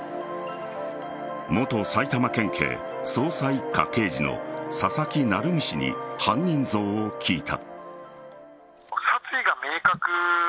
元埼玉県警捜査一課刑事の佐々木成三氏に犯人像を聞いた。